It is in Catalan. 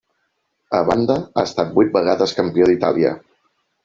A banda, ha estat vuit vegades Campió d'Itàlia.